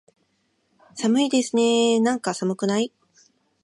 寒いですねーなんか、寒くない？